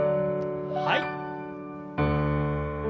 はい。